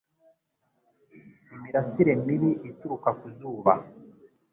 Imirasire mibi ituruka ku zuba